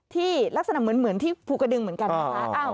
ที่ลักษณะเหมือนที่ภูกระดึงเหมือนกันนะคะ